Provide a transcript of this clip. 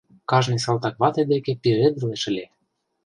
Кажне салтаквате деке пижедылеш ыле.